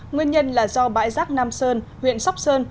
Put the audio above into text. nguyên nhân là do bãi rác nam sơn huyện sóc sơn